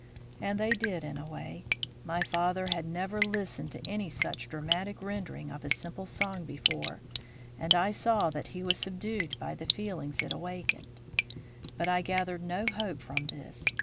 And they did in a way. My father had never listened to any such dramatic rendering of a simple song before, and I saw that he was subdued by the feelings it awakened. But I gathered no hope from this.